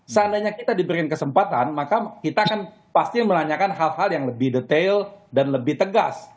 seandainya kita diberikan kesempatan maka kita akan pasti menanyakan hal hal yang lebih detail dan lebih tegas